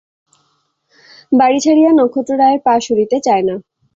বাড়ি ছাড়িয়া নক্ষত্ররায়ের পা সরিতে চায় না।